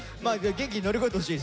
元気に乗り越えてほしいですよね。